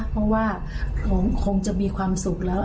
เพราะว่าหนูคงจะมีความสุขแล้ว